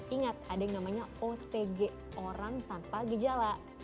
ingat ada yang namanya otg orang tanpa gejala